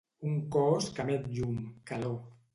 Un cos que emet llum, calor.